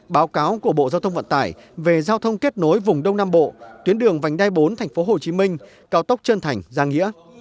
báo cáo của bộ giao thông vận tải về giao thông kết nối vùng đông nam bộ tuyến đường vành đai bốn tp hcm cao tốc trân thành giang nghĩa